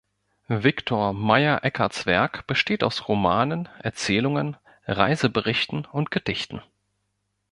Viktor Meyer-Eckhardts Werk besteht aus Romanen, Erzählungen, Reiseberichten und Gedichten.